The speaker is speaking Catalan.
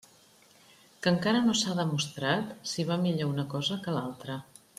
Que encara no s'ha demostrat si va millor una cosa que l'altra.